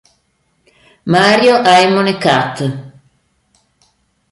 Mario Ajmone Cat.